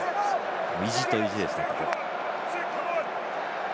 意地と意地ですね。